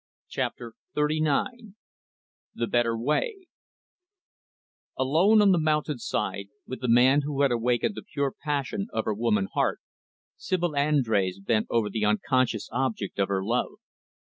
Chapter XXXIX The Better Way Alone on the mountainside with the man who had awakened the pure passion of her woman heart, Sibyl Andrés bent over the unconscious object of her love.